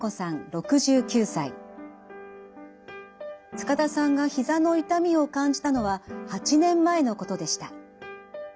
塚田さんがひざの痛みを感じたのは８年前のことでした。